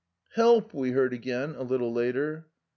" we heard again, a little later.